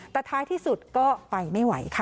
แต่ท้ายที่สุดก็ไปไม่ไหวค่ะ